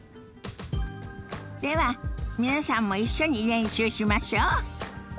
では皆さんも一緒に練習しましょ。